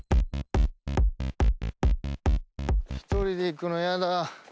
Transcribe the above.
一人で行くの嫌だ。